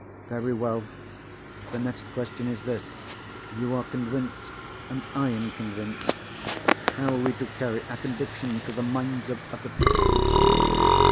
"Very well. The next question is this. You are convinced; and I am convinced—how are we to carry our conviction to the minds of other people?"